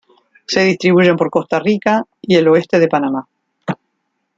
Se distribuyen por Costa Rica y el oeste de Panamá.